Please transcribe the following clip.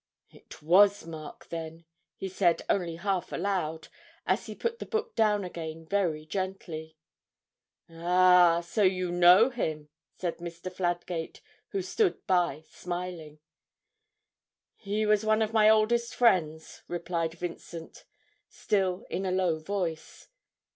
'It was Mark, then,' he said only half aloud, as he put the book down again very gently. 'Ah, so you know him?' said Mr. Fladgate, who stood by smiling. 'He was one of my oldest friends,' replied Vincent, still in a low voice.